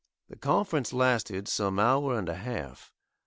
The conference lasted some hour and a half.